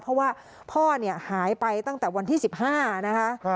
เพราะว่าพ่อหายไปตั้งแต่วันที่๑๕นะคะ